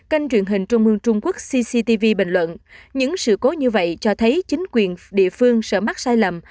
kênh truyền hình trung ương trung quốc cctv bình luận những sự cố như vậy cho thấy chính quyền địa phương sợ mắc sai lầm